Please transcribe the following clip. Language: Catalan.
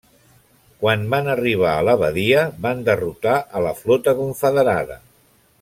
Quan van arribar a la badia, van derrotar a la flota confederada.